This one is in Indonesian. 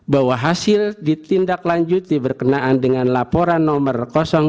dua bahwa hasil ditindak lanjut diberkenaan dengan laporan nomor dua belas dan seterusnya